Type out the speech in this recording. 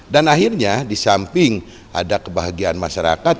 dan akhirnya disamping ada kebahagiaan masyarakat